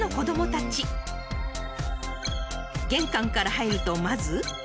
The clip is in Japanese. ［玄関から入るとまず］